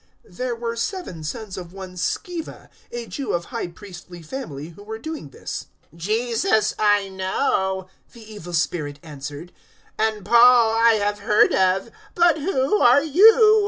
019:014 There were seven sons of one Sceva, a Jew of high priestly family, who were doing this. 019:015 "Jesus I know," the evil spirit answered, "and Paul I have heard of, but who are you?"